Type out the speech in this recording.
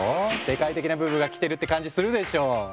世界的なブームが来てるって感じするでしょ？